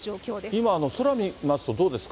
今、空見ますと、どうですか？